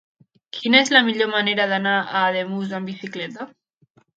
Quina és la millor manera d'anar a Ademús amb bicicleta?